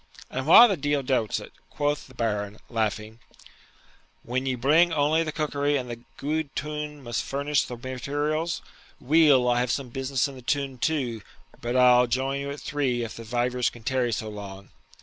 'And wha the deil doubts it,' quoth the Baron, laughing, 'when ye bring only the cookery and the gude toun must furnish the materials? Weel, I have some business in the toun too; but I'll join you at three, if the vivers can tarry so long.'